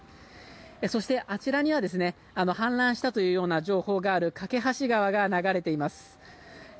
そして、あちらには氾濫したという情報がある梯川が流れています。